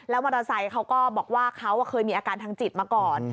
มอเตอร์ไซค์เขาก็บอกว่าเขาเคยมีอาการทางจิตมาก่อน